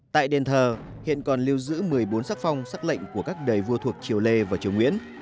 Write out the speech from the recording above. tại đền thờ hiện còn lưu giữ một mươi bốn sắc phong xác lệnh của các đời vua thuộc triều lê và triều nguyễn